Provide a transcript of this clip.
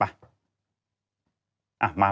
อ่ะมา